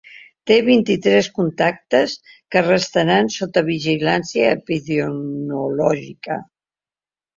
Té vint-i-tres contactes que restaran sota vigilància epidemiològica.